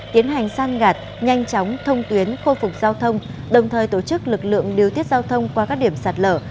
tiến hành san gạt nhanh chóng thông tuyến khôi phục giao thông đồng thời tổ chức lực lượng điều tiết giao thông qua các điểm sạt lở